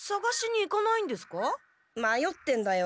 まよってんだよ。